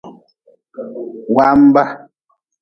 Wamba.